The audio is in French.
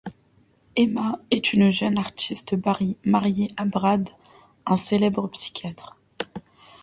Emma est une jeune artiste mariée à Brad, un célèbre psychiatre.